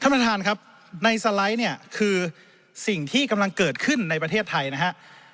ประธานครับในสไลด์เนี่ยคือสิ่งที่กำลังเกิดขึ้นในประเทศไทยนะฮะ